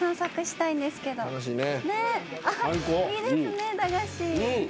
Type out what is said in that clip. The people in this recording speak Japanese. いいですね駄菓子。